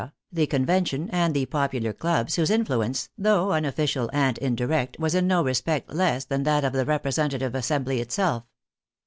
the Convention, and the popular clubs, whose influence, though unofficial and indirect, was in no respect less than that of the representative assembly itself.